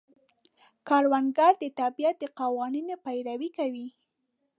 کروندګر د طبیعت د قوانینو پیروي کوي